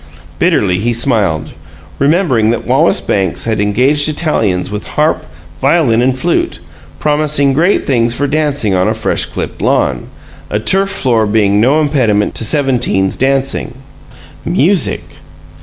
Bitterly he smiled, remembering that Wallace Banks had engaged Italians with harp, violin, and flute, promising great things for dancing on a fresh clipped lawn a turf floor being no impediment to seventeen's dancing. Music!